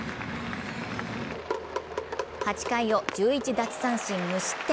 ８回を１１奪三振・無失点。